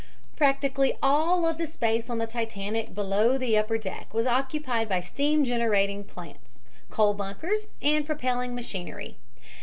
Practically all of the space on the Titanic below the upper deck was occupied by steam generating plant, coal bunkers and propelling machinery.